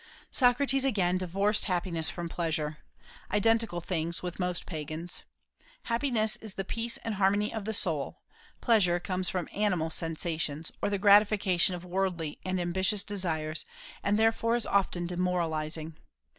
Socrates, again, divorced happiness from pleasure, identical things, with most pagans. Happiness is the peace and harmony of the soul; pleasure comes from animal sensations, or the gratification of worldly and ambitious desires, and therefore is often demoralizing.